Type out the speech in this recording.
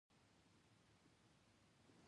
د ژوند ارزښت څنګه وپیژنو؟